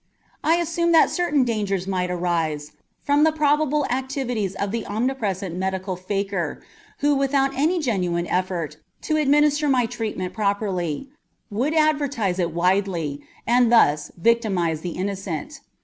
I assumed that certain dangers might arise from the probable activities of the omnipresent medical faker, who without any genuine effort to administer my treatment properly would advertise it widely, and thus victimize the innocent.